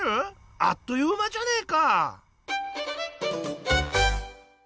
あっという間じゃねえか！